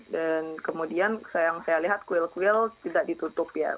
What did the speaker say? dan kemudian yang saya lihat kuil kuil tidak ditutup ya